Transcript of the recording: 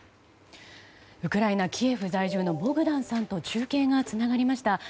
ウクライナ・キエフ在住のボグダンさんと中継がつながりました。